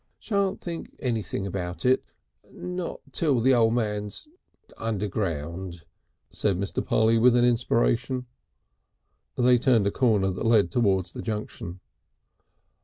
"Shan't think anything about it not till the O' Man's underground," said Mr. Polly with an inspiration. They turned a corner that led towards the junction.